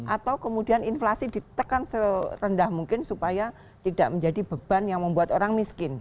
atau kemudian inflasi ditekan serendah mungkin supaya tidak menjadi beban yang membuat orang miskin